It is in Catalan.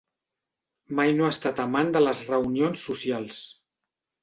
Mai no ha estat amant de les reunions socials.